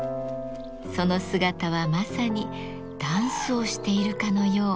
その姿はまさにダンスをしているかのよう。